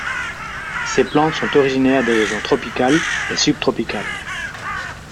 Ces plantes sont originaires des régions tropicales et subtropicales.